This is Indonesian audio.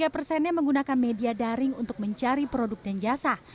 tiga persennya menggunakan media daring untuk mencari produk dan jasa